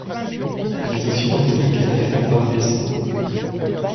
Il est aussi l'oncle de Kenneth Vanbilsen.